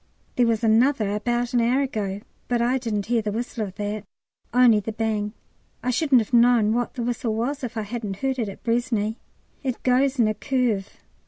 There was another about an hour ago, but I didn't hear the whistle of that only the bang. I shouldn't have known what the whistle was if I hadn't heard it at Braisne. It goes in a curve.